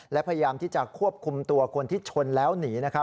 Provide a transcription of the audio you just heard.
และพยายามที่จะควบคุมตัวคนที่ชนแล้วหนี